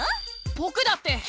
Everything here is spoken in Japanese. ぼくだって！